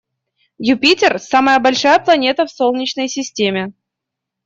Юпитер - самая большая планета в Солнечной системе.